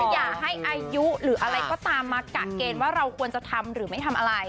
อย่าให้อายุหรืออะไรก็ตามมากะเกณฑ์ว่าเราควรจะทำหรือไม่ทำอะไร